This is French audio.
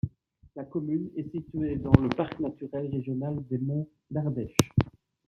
La commune est située dans le parc naturel régional des Monts d'Ardèche.